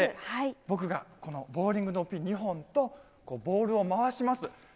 僕がこのボウリングのピン２本と、ボールを回します。